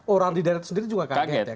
orang di daerah itu sendiri juga kaget ya